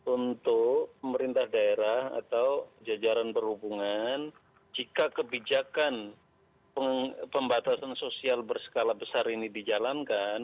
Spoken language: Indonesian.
untuk pemerintah daerah atau jajaran berhubungan jika kebijakan pembatasan sosial berskala besar ini dijalankan